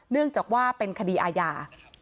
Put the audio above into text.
เนื่องจากว่าเป็นคดีอาญา